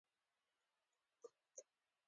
نوراحمد خالدي د دې په اړه لیکلي.